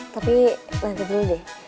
tapi nanti dulu deh